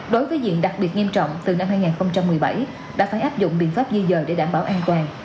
đối với diện đặc biệt nghiêm trọng từ năm hai nghìn một mươi bảy đã phải áp dụng biện pháp di dời để đảm bảo an toàn